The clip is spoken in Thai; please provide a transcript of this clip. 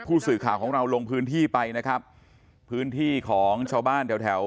ผู้สื่อข่าวของเราลงพื้นที่ไปนะครับพื้นที่ของชาวบ้านแถวแถว